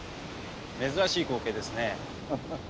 珍しい光景ですね。